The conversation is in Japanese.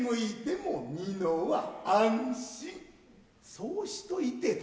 そうしといて殿